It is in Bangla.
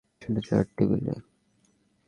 সেটা চায়ের টেবিলে।